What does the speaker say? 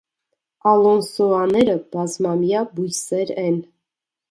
Ալոնսոաները բազմամյա բույսեր են։